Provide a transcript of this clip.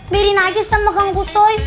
berin aja sama kang kusoi